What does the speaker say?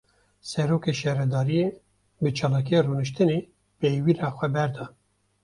Serokê şaredariyê, bi çalakiya rûniştinê peywira xwe berda